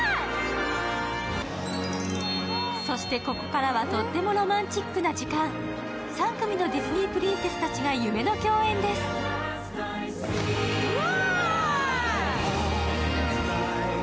そしてここからはとってもロマンチックな時間３組のディズニープリンセス達が夢の共演ですうわ！